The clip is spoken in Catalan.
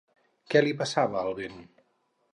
Què li passava al vent?